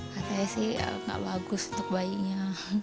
katanya sih gak bagus untuk bayinya